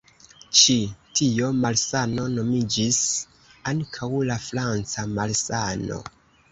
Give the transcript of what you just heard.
Ĉi tio malsano nomiĝis ankaŭ la "franca malsano".